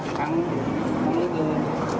บอกให้ความในใจเรา